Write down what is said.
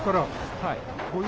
はい。